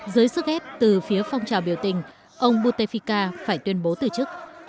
dưới sức ép từ phía phong trào biểu tình ông butefika phải tuyên bố từ chức